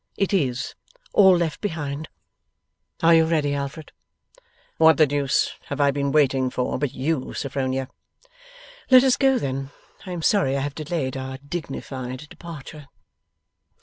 It IS all left behind. Are you ready, Alfred?' 'What the deuce have I been waiting for but you, Sophronia?' 'Let us go then. I am sorry I have delayed our dignified departure.